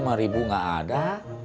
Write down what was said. masa lima ribu gak ada